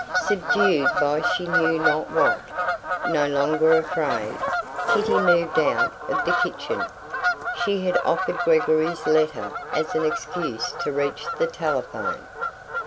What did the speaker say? Subdued by she knew not what, no longer afraid, Kitty moved out of the kitchen. She had offered Gregory's letter as an excuse to reach the telephone.